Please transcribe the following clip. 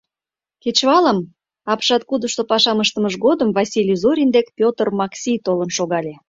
Кечывалым, апшаткудышто пашам ыштымыж годым, Василий Зорин дек Петр Макси толын шогале.